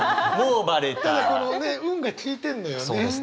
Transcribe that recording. このね「うん」が効いてんのよね。